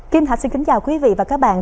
kim thạch xin kính chào quý vị và các bạn